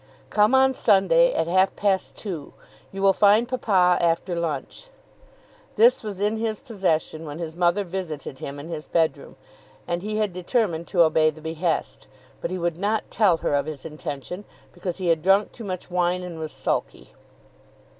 "Come on Sunday at half past two. You will find papa after lunch." This was in his possession when his mother visited him in his bedroom, and he had determined to obey the behest. But he would not tell her of his intention, because he had drunk too much wine, and was sulky.